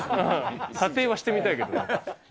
査定はしてみたいけどね。